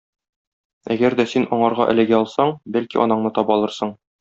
Әгәр дә син аңарга эләгә алсаң, бәлки анаңны таба алырсың.